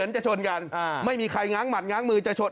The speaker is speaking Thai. จะชนกันไม่มีใครง้างหมัดง้างมือจะชน